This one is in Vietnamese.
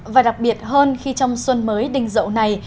và đặc biệt hơn khi trong xuân mới đình dậu này